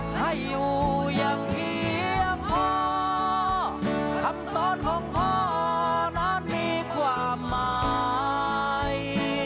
ให้อยู่อย่างเพียงพอคำสอนของพ่อนั้นมีความหมาย